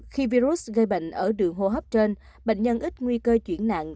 khi virus gây bệnh ở đường hô hấp trên bệnh nhân ít nguy cơ chuyển nặng